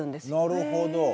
なるほど。